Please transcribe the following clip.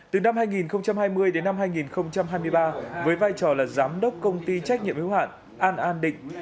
từ năm hai nghìn hai mươi đến năm hai nghìn hai mươi ba với vai trò là giám đốc công ty trách nhiệm hiếu hạn an an định